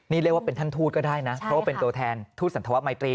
นี่เรียกว่าเป็นท่านทูตก็ได้นะเพราะว่าเป็นตัวแทนทูตสันธวมัยตรี